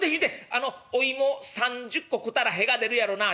あのお芋３０個食たら屁が出るやろなっちゅうて」。